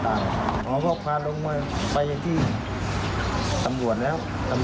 แต่สีหน้าของพนักงานว่านั้นซีดอย่างเห็นในช้ำได้ไหม